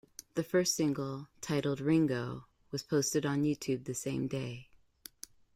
The first single, titled "Ringo," was posted on YouTube the same day.